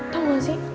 tau gak sih